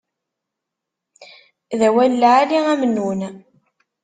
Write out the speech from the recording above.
D awal lɛali a Mennun.